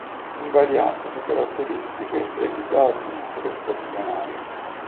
Invariate le caratteristiche ed i dati prestazionali.